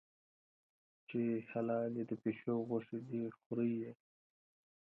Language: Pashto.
چي حلالي د پشو غوښي دي خوری یې